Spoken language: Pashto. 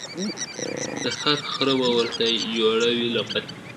د هر خره به ورته جوړه وي لغته ..